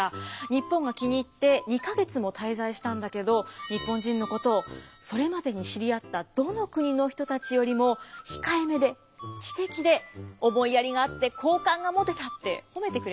日本が気に入って２か月も滞在したんだけど日本人のことを「それまでに知り合ったどの国の人たちよりも控えめで知的で思いやりがあって好感が持てた」って褒めてくれたよね。